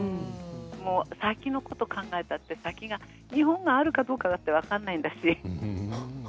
先のことを考えたって日本があるかどうかだって分からないですし。